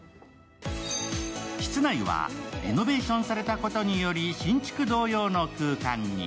室内はリノベーションされたことにより新築同様の空間に。